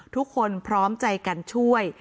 ทุกคนพร้อมใจการช่วย